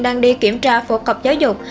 đang đi kiểm tra phổ cập giáo dục